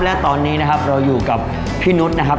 และตอนนี้นะครับเราอยู่กับพี่นุษย์นะครับ